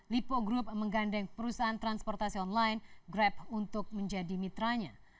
lipo group menggandeng perusahaan transportasi online grab untuk menjadi mitranya